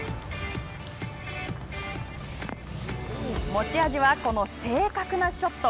持ち味はこの正確なショット。